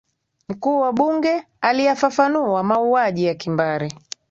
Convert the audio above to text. mkuu wa bunge aliyafafanua mauaji ya kimbari